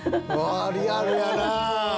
リアルやなぁ。